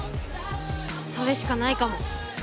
それしかないかも。